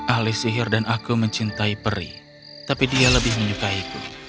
ahli sihir dan aku mencintai peri tapi dia lebih menyukaiku